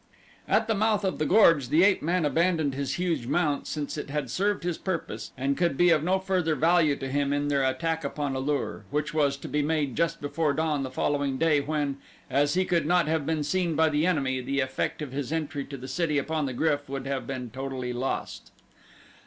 At the mouth of the gorge the ape man abandoned his huge mount since it had served its purpose and could be of no further value to him in their attack upon A lur, which was to be made just before dawn the following day when, as he could not have been seen by the enemy, the effect of his entry to the city upon the GRYF would have been totally lost.